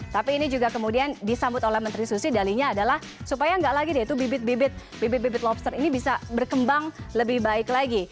tapi ini juga kemudian disambut oleh menteri susi dalinya adalah supaya enggak lagi bibit bibit lobster ini bisa berkembang lebih baik lagi